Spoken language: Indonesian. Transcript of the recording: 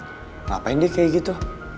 ngapain dia kayak gitu